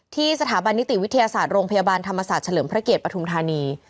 สถาบันนิติวิทยาศาสตร์โรงพยาบาลธรรมศาสตร์เฉลิมพระเกียรติปฐุมธานี